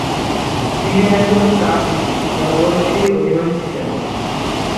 তিনি একজন "তাজিক" জনগোষ্ঠীর অধিবাসী ছিলেন।